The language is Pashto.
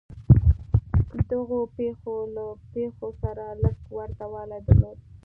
دغو پېښو له پېښو سره لږ ورته والی درلود.